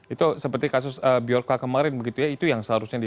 itu seperti kasus biorca kemarin begitu ya itu yang seharusnya di